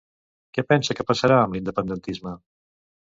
Què pensa que passarà amb l'independentisme?